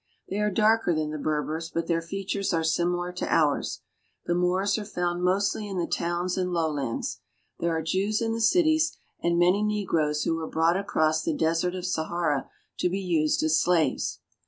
They are darker than the Berbers, but their features are similar to ours. The Moors are found mostly in the towns and lowlands. There are Jews in the cities, and many negroes who were brought across the Desert of Sahara to be used as slaves.